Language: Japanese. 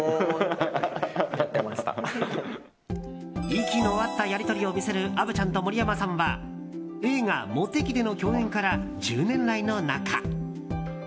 息の合ったやり取りを見せるアヴちゃんと森山さんは映画「モテキ」での共演から１０年来の仲。